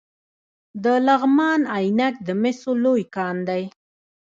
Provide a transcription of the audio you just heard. د لغمان عينک د مسو لوی کان دی